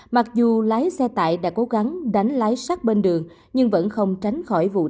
mặc dù lái xe tải đã cố gắng đánh lái sát bên đường nhưng vẫn không tránh khỏi vụ cháy